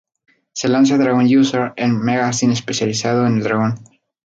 Se lanza Dragon User, un magazine especializado en el Dragon.